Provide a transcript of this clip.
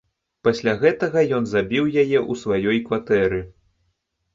Пасля гэтага ён забіў яе ў сваёй кватэры.